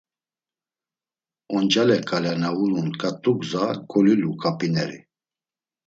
Oncale ǩale na ulun ǩat̆ugza golilu ǩap̌ineri.